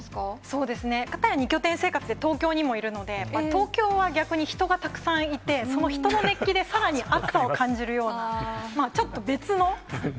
そうですね、片や２拠点生活で東京にもいるので、東京は逆に人がたくさんいて、その人の熱気でさらに暑さを感じるような。